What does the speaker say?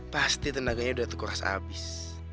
pasti tenaganya udah tekuras abis